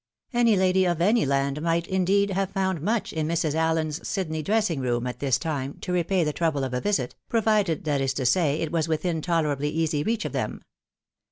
Any lady of any land might, indeed, have found much in Mrs. Allen's Sydney dressing room, at this time, to repay the trouble of a visit, provided, that is to say, it was within tolerably easy reach of them.